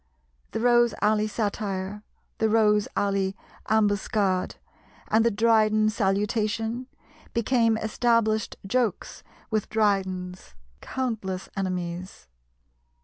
The Rose Alley satire, the Rose Alley ambuscade, and the Dryden salutation, became established jokes with Dryden's countless enemies.